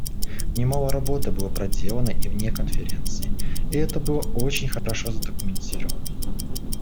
Немало работы было проделано и вне Конференции, и это было очень хорошо задокументировано.